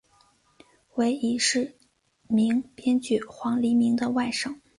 为已逝名编剧黄黎明的外甥。